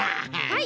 はい。